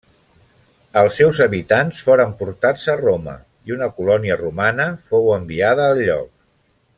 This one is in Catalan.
Els seus habitants foren portats a Roma i una colònia romana fou enviada al lloc.